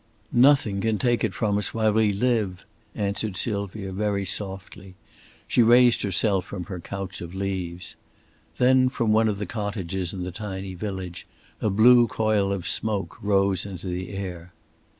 "Nothing can take it from us while we live," answered Sylvia, very softly. She raised herself from her couch of leaves. Then from one of the cottages in the tiny village a blue coil of smoke rose into the air.